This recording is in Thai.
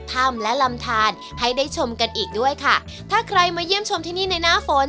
ถ้ำและลำทานให้ได้ชมกันอีกด้วยค่ะถ้าใครมาเยี่ยมชมที่นี่ในหน้าฝน